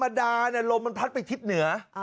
ธรรมดาเนี่ยรมมันพัดไปทิศเหนือ